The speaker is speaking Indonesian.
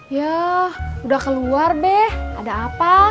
ya udah keluar deh ada apa